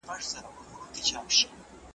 په پردي جنگ كي بايللى مي پوستين دئ .